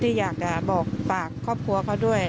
อยากจะบอกฝากครอบครัวเขาด้วย